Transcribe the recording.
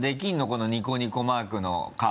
このニコニコマークの顔。